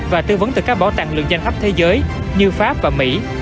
và tư vấn từ các bảo tàng lượng danh hấp thế giới như pháp và mỹ